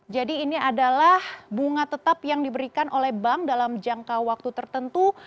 jadi ini adalah bunga tetap yang diberikan oleh bank dalam jangka waktu tertentu